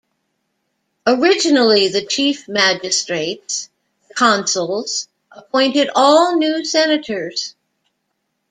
Originally the chief-magistrates, the "consuls", appointed all new senators.